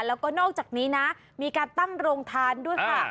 แล้วก็นอกจากนี้นะมีการตั้งโรงทานด้วยค่ะ